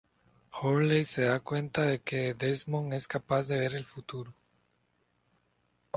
Hurley se da cuenta de que Desmond es capaz de ver el futuro.